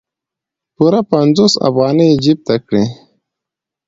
پوره پنځوس افغانۍ یې جیب ته کړې.